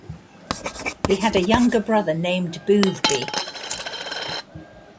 He had a younger brother named Boothby.